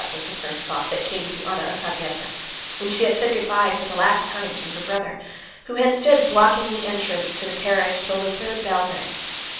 was the first thought that came to Anna Arkadyevna, when she had said good bye for the last time to her brother, who had stood blocking up the entrance to the carriage till the third bell rang.